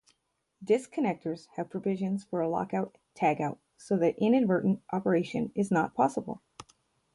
Disconnectors have provisions for a lockout-tagout so that inadvertent operation is not possible.